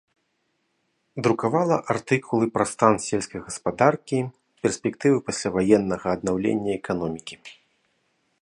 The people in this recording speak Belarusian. Друкавала артыкулы пра стан сельскай гаспадаркі, перспектывы пасляваеннага аднаўлення эканомікі.